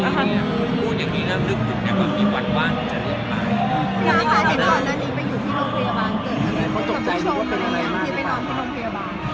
พูดอย่างนี้แล้วลืมถูกแล้วว่ามีหวัดบ้านจะเลี่ยนมาก